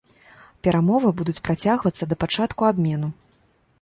Перамовы будуць працягвацца да пачатку абмену.